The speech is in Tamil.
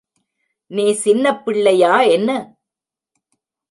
நீ சின்னப்பிள்ளையா என்ன?